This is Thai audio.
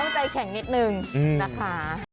ต้องใจแข็งนิดหนึ่งอืมนะคะ